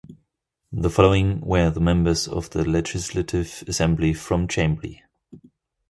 The following were the members of the Legislative Assembly from Chambly.